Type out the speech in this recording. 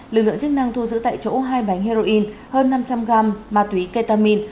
lực lượng chức năng thu giữ tại chỗ hai bánh heroin hơn năm trăm linh gram ma túy ketamin